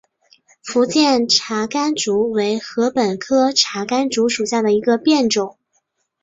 福建茶竿竹为禾本科茶秆竹属下的一个变种。